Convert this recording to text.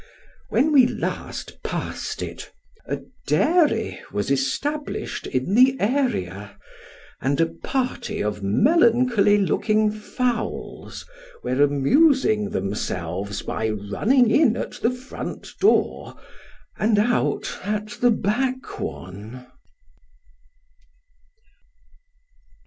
When we last passed it, a " dairy " was established in tho area, and a party of melancholy looking fowls were amusing them selves by running in at the front door, and out at tho back one.